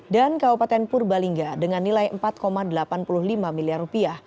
dan kabupaten purbalingga dengan nilai rp empat delapan puluh lima miliar